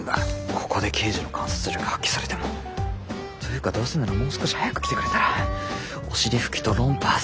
ここで刑事の観察力を発揮されても。というかどうせならもう少し早く来てくれたらお尻拭きとロンパース。